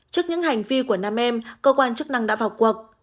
trước những hành vi của nam em cơ quan chức năng đã vào cuộc